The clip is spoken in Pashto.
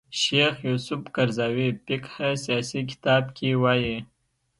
شیخ یوسف قرضاوي فقه سیاسي کتاب کې وايي